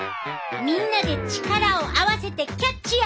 みんなで力を合わせてキャッチや！